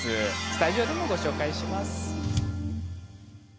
スタジオでもご紹介します。